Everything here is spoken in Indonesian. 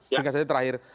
singkat saja terakhir